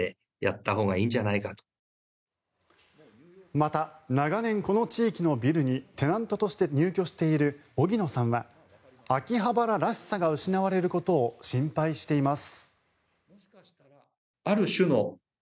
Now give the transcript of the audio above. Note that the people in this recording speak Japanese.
また、長年この地域のビルにテナントとして入居している荻野さんは秋葉原らしさが失われることを心配しています。